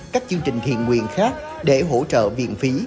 các chương trình thiện nguyện khác để hỗ trợ viện phí